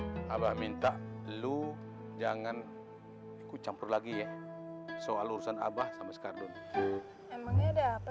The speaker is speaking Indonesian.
iya lah abah minta lu jangan kucampur lagi ya soal urusan abah sama sekadar emangnya ada apa